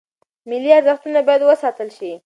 مالي ارزښتونه باید وساتل شي.